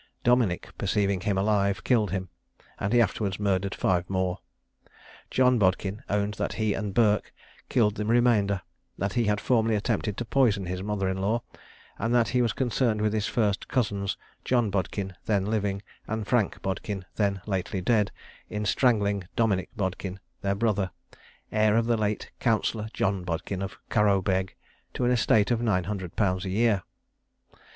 Dominick, perceiving him alive, killed him; and he afterwards murdered five more. John Bodkin owned that he and Burke killed the remainder; that he had formerly attempted to poison his mother in law; and that he was concerned with his first cousins, John Bodkin, then living, and Frank Bodkin, then lately dead, in strangling Dominick Bodkin, their brother, heir of the late Counsellor John Bodkin, of Carobegg, to an estate of nine hundred pounds a year.